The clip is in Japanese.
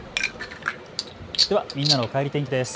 ではみんなのおかえり天気です。